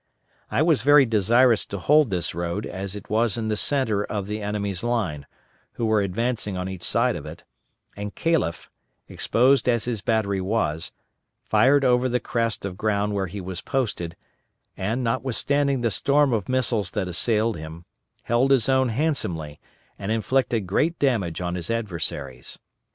I was very desirous to hold this road, as it was in the centre of the enemy's line, who were advancing on each side of it, and Calef exposed as his battery was fired over the crest of ground where he was posted, and notwithstanding the storm of missiles that assailed him, held his own handsomely, and inflicted great damage on his adversaries.